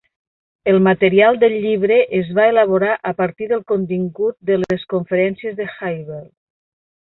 El material del llibre es va elaborar a partir del contingut de les conferències de Hilbert.